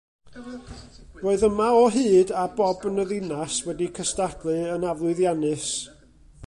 Roedd Yma o Hyd a Bob yn y Ddinas wedi cystadlu, yn aflwyddiannus.